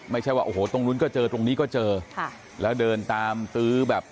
ไม่ใช่ว่าโอ้โหตรงนู้นก็เจอตรงนี้ก็เจอค่ะแล้วเดินตามตื้อแบบ